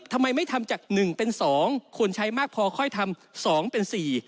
ทำไมไม่ทำจากหนึ่งเป็นสองควรใช้มากพอค่อยทำสองเป็นสี่